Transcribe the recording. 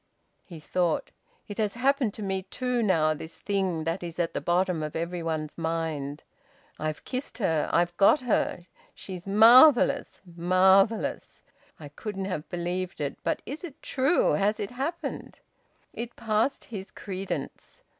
He thought: "It has happened to me, too, now this thing that is at the bottom of everybody's mind! I've kissed her! I've got her! She's marvellous, marvellous! I couldn't have believed it. But is it true? Has it happened?" It passed his credence...